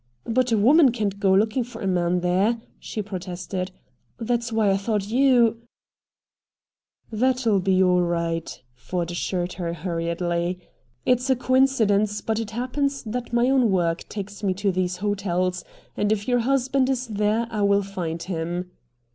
"But a woman can't go looking for a man there," she protested. "That's why I thought you " "That'll be all right," Ford assured her hurriedly. "It's a coincidence, but it happens that my own work takes me to these hotels, and if your husband is there I will find him."